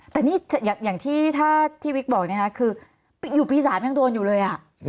แต่นี่อย่างที่ถ้าที่วิกบอกนะคะคืออยู่ปี๓ยังโดนอยู่เลย